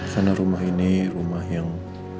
karena rumah ini rumah yang